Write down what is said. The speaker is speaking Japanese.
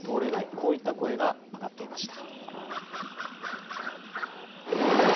こういった声が上がっていました。